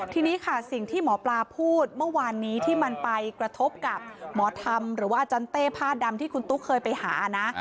ทีนี้ค่ะสิ่งที่หมอปลาพูดเมื่อวานนี้ที่มันไปกระทบกับหมอธรรมหรือว่าอาจารย์เต้ผ้าดำที่คุณตุ๊กเคยไปหานะ